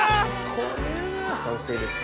完成です。